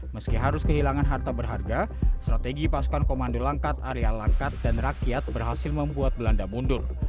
meski harus kehilangan harta berharga strategi pasukan komando langkat area langkat dan rakyat berhasil membuat belanda mundur